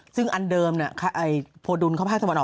ซึ่งอันเดิมโพดุลเข้าภาคตะวันออก